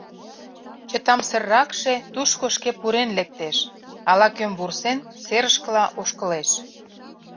Чытамсырракше тушко шке пурен лектеш, ала-кӧм вурсен, серышкыла ошкылеш.